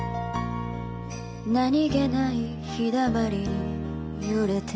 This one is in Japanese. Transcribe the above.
「何気ない陽溜まりに揺れている」